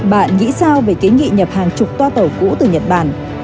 bạn nghĩ sao về kiến nghị nhập hàng chục toa tàu cũ từ nhật bản